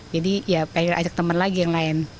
jadi ya kayak ajak temen lagi yang lain